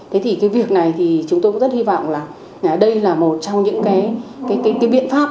thế thì cái việc này thì chúng tôi cũng rất hy vọng là đây là một trong những cái biện pháp